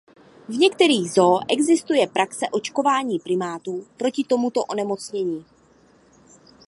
V některých zoo existuje praxe očkování primátů proti tomuto onemocnění.